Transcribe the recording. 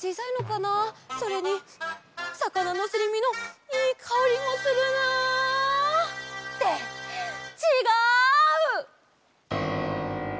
それにさかなのすりみのいいかおりもするな。ってちがう！